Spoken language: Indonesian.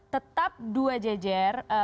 tetap dua jejer